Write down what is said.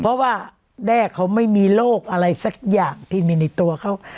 เพราะว่าแด้เขาไม่มีโรคอะไรสักอย่างที่มีในตัวเขา